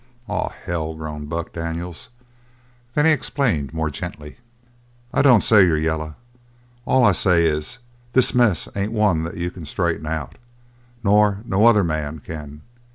"Oh, hell!" groaned Buck Daniels. Then he explained more gently: "I don't say you're yellow. All I say is: this mess ain't one that you can straighten out nor no other man can.